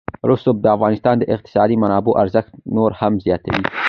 رسوب د افغانستان د اقتصادي منابعو ارزښت نور هم زیاتوي.